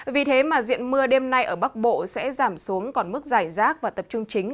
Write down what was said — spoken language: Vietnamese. vì thế mà diện mưa đêm nay ở bắc bộ sẽ giảm xuống còn mức giải rác và tập trung chính